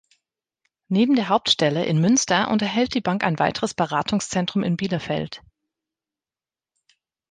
Neben der Hauptstelle in Münster unterhält die Bank ein weiteres Beratungszentrum in Bielefeld.